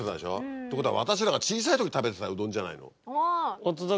ってことは私らが小さい時食べてたうどんじゃないの？